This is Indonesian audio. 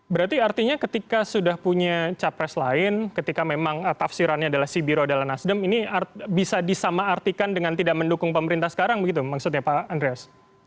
berarti artinya ketika sudah punya capres lain ketika memang tafsirannya adalah si biro adalah nasdem ini bisa disama artikan dengan tidak mendukung pemerintah sekarang begitu maksudnya pak andreas